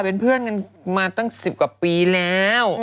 เป็นเพื่อนกันมาตั้ง๑๐กว่าปีแล้ว